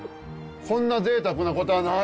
こんなぜいたくなことはない。